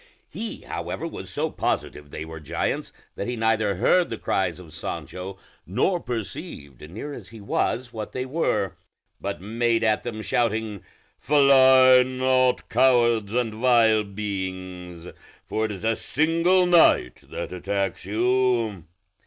He however was so positive they were giants that he neither heard the cries of Sancho, nor perceived, near as he was, what they were; but made at them, shouting, "Fly not, cowards and vile beings, for it is a single knight that attacks you!"